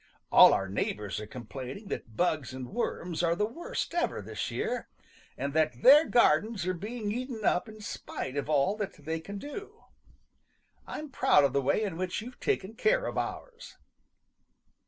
All our neighbors are complaining that bugs and worms are the worst ever this year, and that their gardens are being eaten up in spite of all that they can do. I'm proud of the way in which you've taken care of ours."